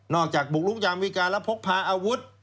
จากบุกลุกยามวิการและพกพาอาวุธ